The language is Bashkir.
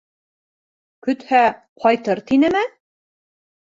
Көтһә, ҡайтыр тинеме?